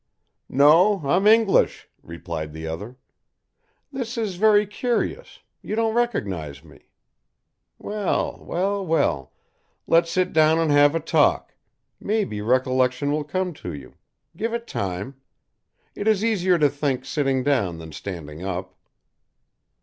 "No, I'm English," replied the other. "This is very curious, you don't recognise me, well well well let's sit down and have a talk, maybe recollection will come to you give it time it is easier to think sitting down than standing up."